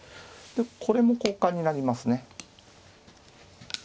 これも交換になりますね。